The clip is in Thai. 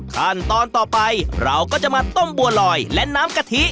ขั้นตอนต่อไปเราก็จะมาต้มบัวลอยและน้ำกะทิ